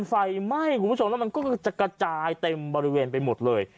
ไฟไหม้คุณผู้ชมแล้วมันก็จะกระจายเต็มบริเวณไปหมดเลย